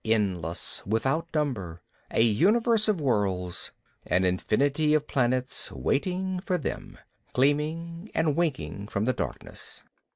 Endless, without number. A universe of worlds. An infinity of planets, waiting for them, gleaming and winking from the darkness.